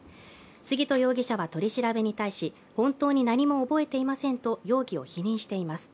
杉戸容疑者は取り調べに対し、本当に何も覚えていませんと容疑を否認しています。